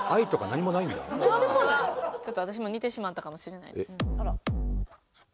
ちょっと私も似てしまったかもしれないです。